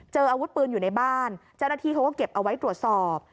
อาวุธปืนอยู่ในบ้านเจ้าหน้าที่เขาก็เก็บเอาไว้ตรวจสอบ